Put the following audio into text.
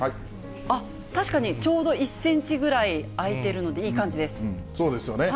あっ、確かに、ちょうど１センチぐらい空いているんで、いい感じそうですよね。